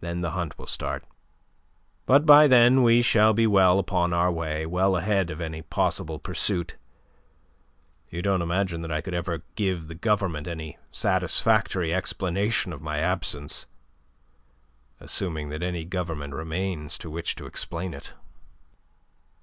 Then the hunt will start. But by then we shall be well upon our way, well ahead of any possible pursuit. You don't imagine that I could ever give the government any satisfactory explanation of my absence assuming that any government remains to which to explain it?"